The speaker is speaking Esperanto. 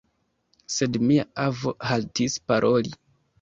Sed mia avo haltis paroli.